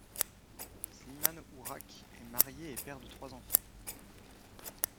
Slimane Ourak est marié et père de trois enfants.